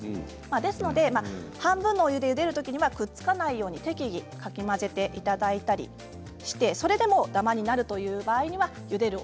ですので半分のお湯でゆでる時はくっつかないように適宜かき混ぜていただいたりしてそれでもダマになるという場合はゆでる